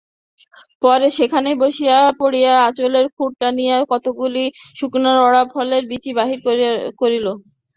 পরে সেখানেই বসিয়া পড়িয়া আঁচলের খুঁট খুলিয়া কতকগুলি শুকনো রড়া ফলের বীচি বাহির করিল।